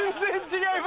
違う？